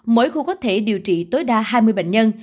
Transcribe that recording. mỗi khu có thể điều trị tối đa hai mươi bệnh nhân